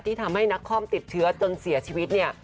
ทำให้นักคอมติดเชื้อจนเสียชีวิตเนี่ย